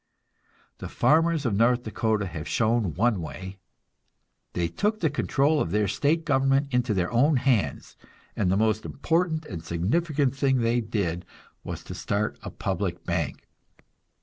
The farmers of North Dakota have shown one way. They took the control of their state government into their own hands, and the most important and significant thing they did was to start a public bank.